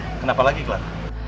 kenapa lagi clara